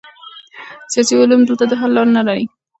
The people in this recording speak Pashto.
سیاسي علوم دلته د حل لاره نلري.